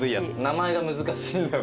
名前が難しいんだよな。